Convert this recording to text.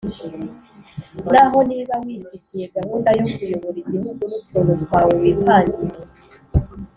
naho niba wifitiye gahunda yo kuyobora igihugu n'utuntu twawe wipangiye,